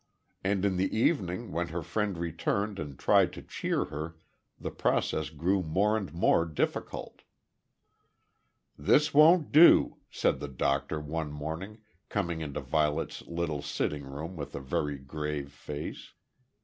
And in the evening when her friend returned and tried to cheer her, the process grew more and more difficult. "This won't do," said the doctor, one morning, coming into Violet's little sitting room with a very grave face.